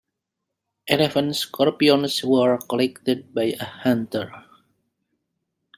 Eleven scorpions were collected by a hunter.